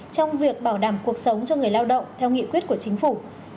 trong việc bảo đảm cuộc sống cho người lao động theo nghị quyết của chính phủ